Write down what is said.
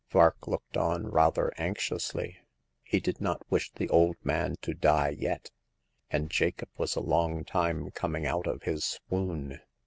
Vark looked on rather anxiously. He did not wish the old man to die yet ; and Jacob was a long time coming out of his swoon.